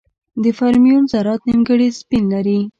د فرمیون ذرات نیمګړي سپین لري.